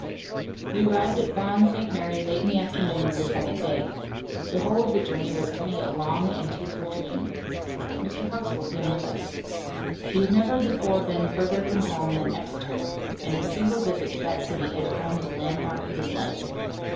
We arrived at Vaughan St. Mary late in the afternoon of the second day. The whole of the journey was to me a long and tearful dream. Mr. Huxtable came with us. He had never before been further from home than Exeter; and his single visit to that city had formed the landmark of his life.